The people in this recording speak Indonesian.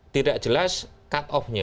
tidak jelas cut off nya